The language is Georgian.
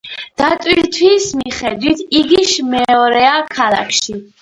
დატვირთვის მიხედვით, იგი მეორეა ქალაქში.